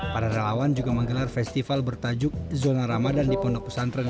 para relawan juga menggelar festival bertajuk zona ramadan di pondok pesantren